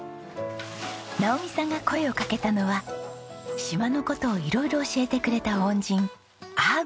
直己さんが声をかけたのは島の事を色々教えてくれた恩人阿波根和子さんです。